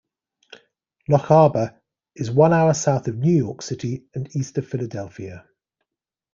Loch Arbour is one hour south of New York City and east of Philadelphia.